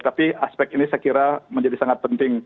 tapi aspek ini saya kira menjadi sangat penting